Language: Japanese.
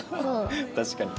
確かに。